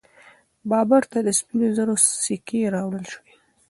بابر ته د سپینو زرو سکې راوړل سوې.